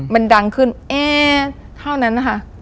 มันดังขึ้นเอ๊เท่านั้นนะคะ